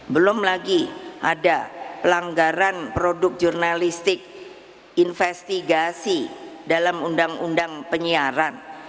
belum lagi ada pelanggaran produk jurnalistik investigasi dalam undang undang penyiaran